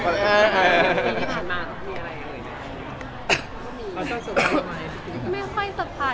ปีนี้ผ่านมามีอะไรอื่นไหม